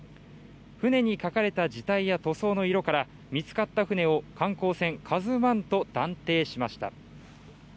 船に書かれた字体や塗装の色から見つかった船を観光船「ＫＡＺＵⅠ」と断定しました。